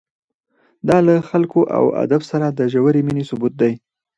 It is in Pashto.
دا له خلکو او ادب سره د ژورې مینې ثبوت دی.